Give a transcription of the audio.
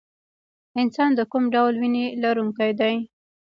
انسان د کوم ډول وینې لرونکی دی